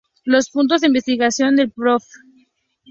Los puntos de investigación del Prof.